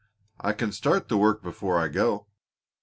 "I can start the work before I go."